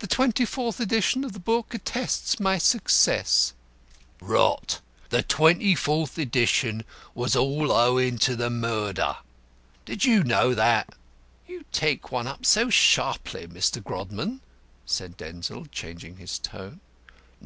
The twenty fourth edition of the book attests my success." "Rot! The twenty fourth edition was all owing to the murder. Did you do that?" "You take one up so sharply, Mr. Grodman," said Denzil, changing his tone.